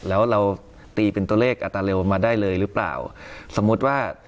แล้วเราตีเป็นตัวเลขอัตราเร็วมาได้เลยหรือเปล่าสมมุติว่า